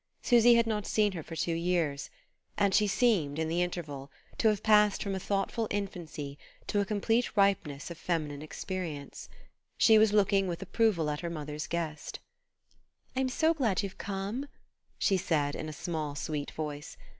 Susy had not seen her for two years, and she seemed, in the interval, to have passed from a thoughtful infancy to complete ripeness of feminine experience. She was looking with approval at her mother's guest. "I'm so glad you've come," she said in a small sweet voice.